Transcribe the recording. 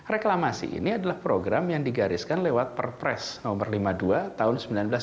reklamasi ini adalah program yang digariskan lewat perpres nomor lima puluh dua tahun seribu sembilan ratus sembilan puluh